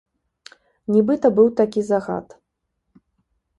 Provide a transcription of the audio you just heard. Нібыта быў такі загад.